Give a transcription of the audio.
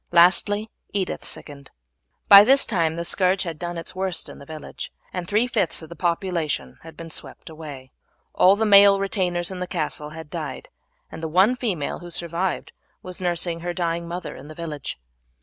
Lastly Edith sickened. By this time the scourge had done its worst in the village, and three fifths of the population had been swept away. All the male retainers in the castle had died, and the one female who survived was nursing her dying mother in the village.